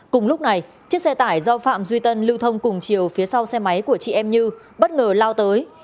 cùng lúc này chiếc xe tải do phạm duy tân lưu thông cùng chiều phía sau xe máy của chị em như bất ngờ lao tới